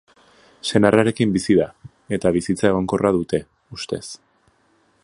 Senarrarekin bizi da, eta bizitza egonkorra dute, ustez.